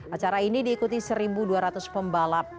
acara ini diikuti satu dua ratus pembalap